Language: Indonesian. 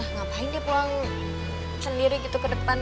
ngapain dia pulang sendiri gitu ke depan